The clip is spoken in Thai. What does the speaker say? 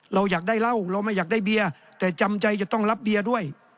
เราอยากได้เหล้าเราไม่อยากได้เบียร์แต่จำใจจะต้องรับเบียร์ด้วย